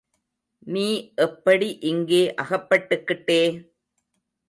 நீ எப்படி இங்கே அகப்பட்டுக்கிட்டே?